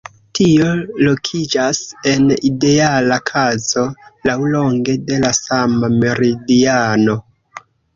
Tio lokiĝas en ideala kazo laŭlonge de la sama meridiano.